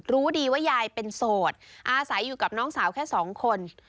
รู้ดีว่ายายเป็นโสดอาศัยอยู่กับน้องสาวแค่สองคน